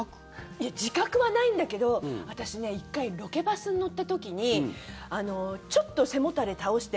いや、自覚はないんだけど私ね、１回ロケバスに乗った時にちょっと背もたれ倒して。